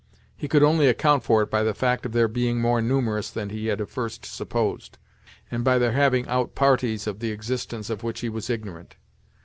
He could only account for it by the fact of their being more numerous than he had at first supposed, and by their having out parties of the existence of which he was ignorant.